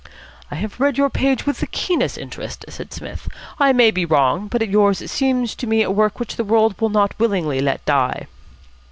"I have read your page with the keenest interest," said Psmith. "I may be wrong, but yours seems to me work which the world will not willingly let die."